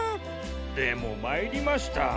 でもまいりました。